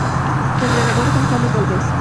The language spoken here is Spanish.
Entrenador: Juan Carlos Gálvez